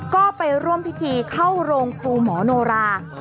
ก็ไปร่วมพิธีเข้าโรงครูหมอโนรา